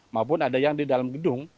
maupun ada yang di dalam gedung